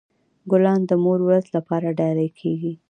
ګلان د مور ورځ لپاره ډالۍ کیږي.